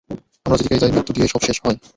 আমরা যেদিকেই যাই, মৃত্যু দিয়েই সব শেষ হয়।